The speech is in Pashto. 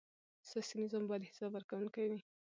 سیاسي نظام باید حساب ورکوونکی وي